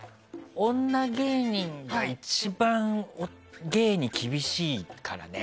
女芸人が一番、芸に厳しいからね。